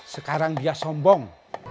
sekarang dia sombong